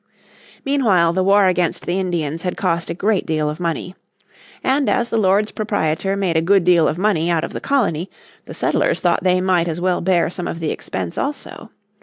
Meanwhile the war against the Indians had cost a great deal of money. And as the Lords Proprietor made a good deal of money out of the colony, the settlers thought they might as well bear some of the expense also.